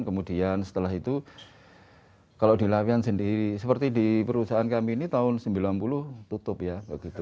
kemudian setelah itu kalau di lapian sendiri seperti di perusahaan kami ini tahun sembilan puluh tutup ya begitu